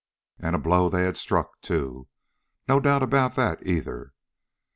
And a blow they had struck, too! No doubt about that, either.